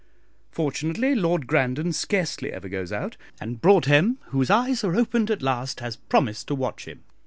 Fortunately Lord Grandon scarcely ever goes out, and Broadhem, whose eyes are opened at last, has promised to watch him.